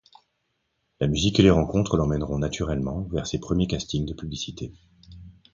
La musique et les rencontres l'emmèneront naturellement vers ses premiers castings de publicités.